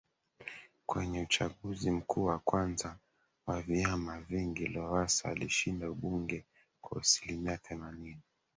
Kwenye Uchaguzi Mkuu wa kwanza wa vyama vingi Lowassa alishinda ubunge kwa asilimia themanini